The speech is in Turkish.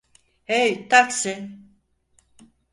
Hey, taksi!